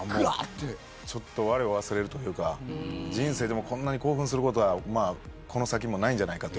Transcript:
ちょっとわれを忘れるというか人生でもこんなに興奮することはこの先もないんじゃないかと。